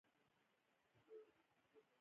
نو قلندر قادياني شو.